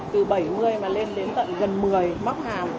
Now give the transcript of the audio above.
từ bảy mươi mà lên đến tận gần một mươi móc hàng